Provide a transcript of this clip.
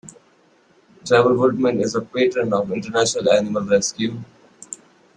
Trevor Woodman is a patron of International Animal Rescue.